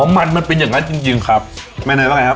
อ๋อมันมันเป็นอย่างงั้นจริงจริงครับแม่น้อยว่าไงครับ